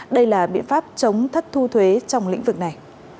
đây là biện pháp chống thất thu thuế trong lĩnh vực này